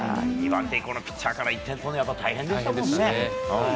２番手以降のピッチャーから大変でしたね。